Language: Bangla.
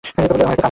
আমার একটা আছে।